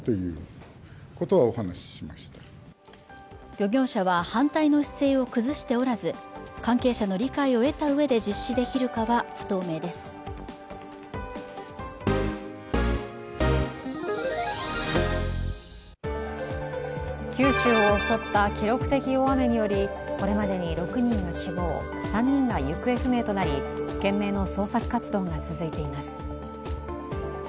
漁業者は反対の姿勢を崩しておらず関係者の理解を得たうえで実施できるかは不透明です九州を襲った記録的大雨により、これまでに６人が死亡、３人が行方不明となり懸命の捜索活動が続いています。